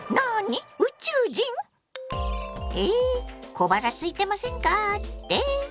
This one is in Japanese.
小腹すいてませんかって？